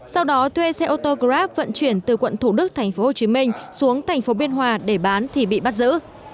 sau đó thuê xe ô tô grab vận chuyển từ quận thủ đức tp hcm xuống tp hcm để bán thì bị bắt giữ